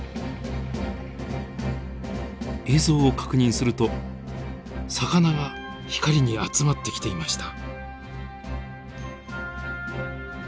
映像を確認すると魚が光に集まってきていました。